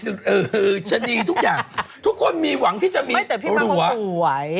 อือชนีทุกอย่างทุกคนมีหวังที่จะมีหัวแต่พี่มากเหรอสวย